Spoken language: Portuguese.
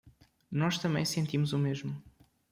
Nós também sentimos o mesmo